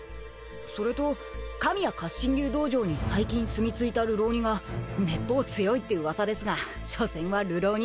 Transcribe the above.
それと神谷活心流道場に最近住み着いた流浪人がめっぽう強いって噂ですがしょせんは流浪人。